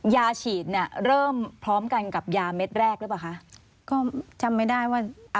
ยาฉีดเนี่ยเริ่มพร้อมกันกับยาเม็ดแรกหรือเปล่าคะก็จำไม่ได้ว่า